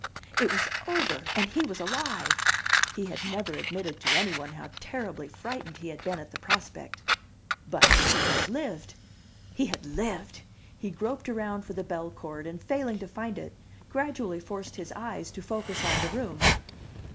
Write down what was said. it was over! And he was alive! He had never admitted to anyone how terribly frightened he had been at the prospect. But he had lived he had lived! He groped around for the bellcord, and failing to find it, gradually forced his eyes to focus on the room.